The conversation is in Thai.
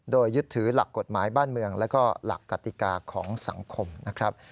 โดยยึดถือหลักกฎหมายบ้านเมืองและก็หลักกติกาของสังคมนะครับ